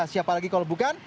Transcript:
siapa lagi kalau bukan